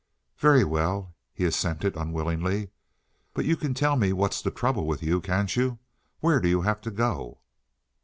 "Very well," he assented unwillingly. "But you can tell me what's the trouble with you, can't you? Where do you have to go?"